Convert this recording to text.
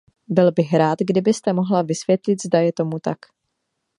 Byl bych rád, kdybyste mohla vysvětlit, zda je tomu tak.